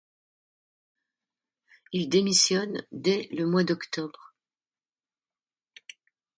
Il démissionne dès le mois d'octobre.